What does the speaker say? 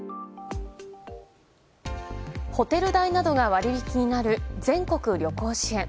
ホテル代などが割引になる全国旅行支援。